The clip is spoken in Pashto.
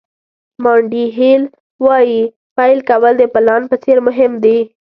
مانډي هیل وایي پیل کول د پلان په څېر مهم دي.